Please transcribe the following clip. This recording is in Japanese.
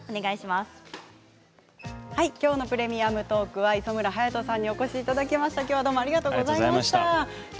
きょうの「プレミアムトーク」は磯村勇斗さんにお越しいただきました。